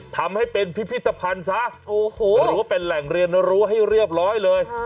ทำให้เป็นพิพิธภัณฑ์ซะหรือว่าเป็นแหล่งเรียนรู้ให้เรียบร้อยเลย